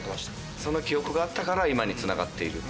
その記憶があったから今につながっているっていう。